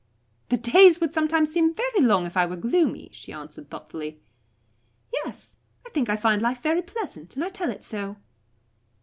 "The days would sometimes seem very long if I were gloomy," she answered thoughtfully. "Yes, I think I find life very pleasant, and I tell it so."